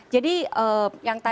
jadi yang tadi